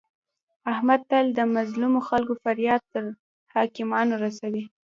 احمد تل د مظلمو خلکو فریاد تر حاکمانو رسوي.